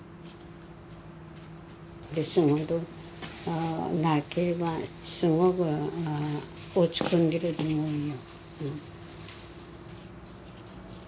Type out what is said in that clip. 仕事なければすごく落ち込んでると思うよ。